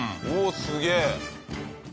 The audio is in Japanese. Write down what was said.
おおすげえ。